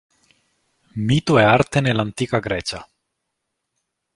Mito e arte nell’antica Grecia”".